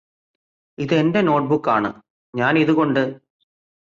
ഇത് എന്റെ നോട്ട്ബുക്ക് ആണ് ഞാനിത് കൊണ്ട്